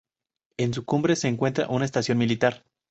En su cumbre se encuentra una estación militar.